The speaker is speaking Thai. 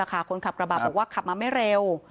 คนขับกระบะบอกว่าขับมาไม่เร็ว